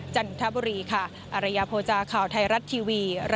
ขอบคุณครับ